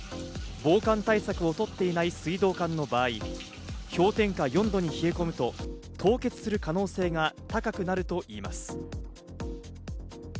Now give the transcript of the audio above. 防寒対策を取っていない水道管の場合、氷点下４度に冷え込むと、凍結する可能性が高くなるといいます。